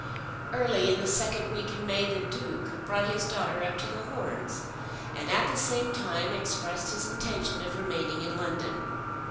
Early in the second week in May the Duke brought his daughter up to The Horns, and at the same time expressed his intention of remaining in London.